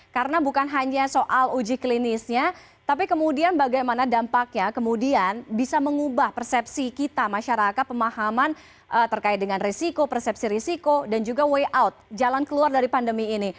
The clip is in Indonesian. karena bukan hanya soal uji klinisnya tapi kemudian bagaimana dampaknya kemudian bisa mengubah persepsi kita masyarakat pemahaman terkait dengan risiko persepsi risiko dan juga way out jalan keluar dari pandemi ini